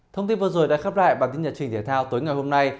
thông tin vừa rồi đã khép lại bản tin nhật trình thể thao tối ngày hôm nay